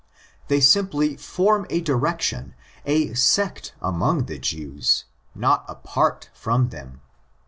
They simply form a direction, a sect, among the Jews, not apart from them.